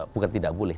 bukan tidak boleh